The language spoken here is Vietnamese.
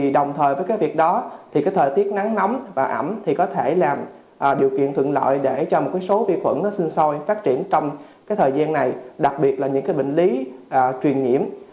đồng thời với việc đó thì thời tiết nắng nóng và ẩm có thể làm điều kiện thuận lợi để cho một số vi khuẩn sinh sôi phát triển trong thời gian này đặc biệt là những bệnh lý truyền nhiễm